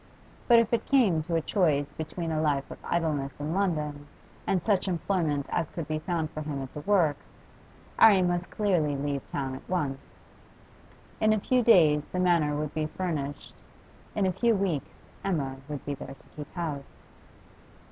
But if it came to a choice between a life of idleness in London and such employment as could be found for him at the works, 'Arry must clearly leave town at once. In a few days the Manor would be furnished; in a few weeks Emma would be there to keep house.